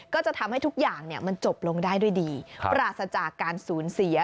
ก็จะทำให้ทุกอย่างมันจบลงได้ด้วยดีปราศจากการสูญเสีย